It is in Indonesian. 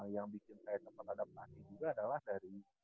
yang bikin saya tempat adaptasi juga adalah dari